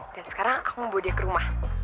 dan sekarang aku mau bawa dia ke rumah